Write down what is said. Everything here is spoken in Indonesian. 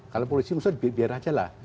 kalau polisi mengusut biar aja lah